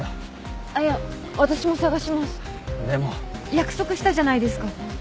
約束したじゃないですか